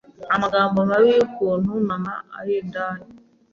amagambo mabi y’ukuntu mama ari indaya